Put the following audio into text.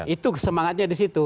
itu semangatnya di situ